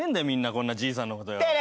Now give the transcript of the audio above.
みんなこんなじいさんのことよ。